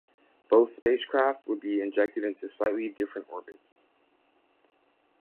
Both spacecraft would be injected into slightly different orbits.